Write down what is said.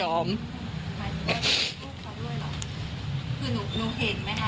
หมายถึงว่าไม่ยิงตัวเขาด้วยหรอคือหนูเห็นไหมคะ